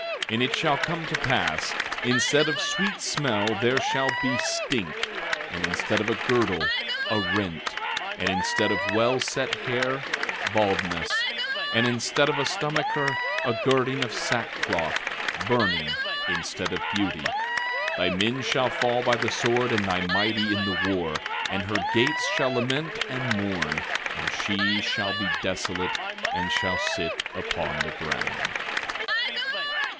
13:24 And it shall come to pass, instead of sweet smell there shall be stink; and instead of a girdle, a rent; and instead of well set hair, baldness; and instead of a stomacher, a girding of sackcloth; burning instead of beauty. 13:25 Thy men shall fall by the sword and thy mighty in the war. 13:26 And her gates shall lament and mourn; and she shall be desolate, and shall sit upon the ground.